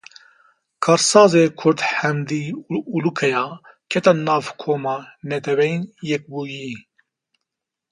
Karsazê Kurd Hamdî Ulukaya kete nav koma Netewên Yekbûyî.